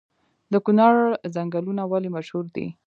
د کونړ ځنګلونه ولې مشهور دي؟